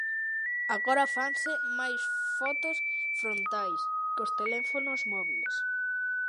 Agora fanse máis fotos frontais, cos teléfonos móbiles.